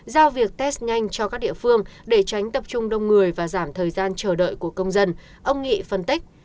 giao việc test nhanh cho các địa phương để tránh tập trung đông người và giảm thời gian chờ đợi của công dân ông nghị phân tích